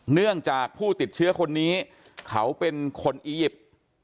เนื่องจากผู้ติดเชื้อคนนี้เขาเป็นคนอียิปต์